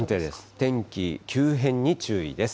天気急変に注意です。